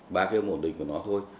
ba cái âm ổn định của nó thôi